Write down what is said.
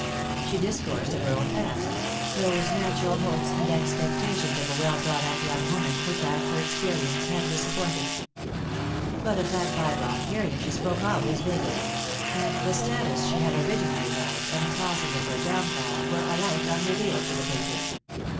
She discoursed of her own past — those natural hopes and expectations of a well brought up young woman which after experience had disap pointed. But of that bygone period she spoke always vaguely; and the status she had originally held, and the causes of her downfall, were alike unrevealed to the painter.